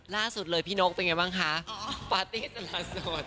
ล่าสุดเลยพี่นกเป็นไงบ้างคะปาร์ตี้ตลอด